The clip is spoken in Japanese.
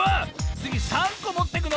つぎ３こもってくの？